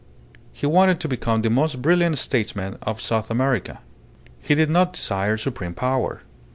He wanted to become the most brilliant statesman of South America. He did not desire supreme power.